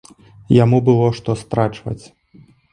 Яму было, што страчваць.